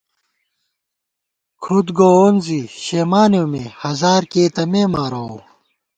کھُدگووون زی شېمانېؤ مےہزار کېئ تہ مےمارَووؤ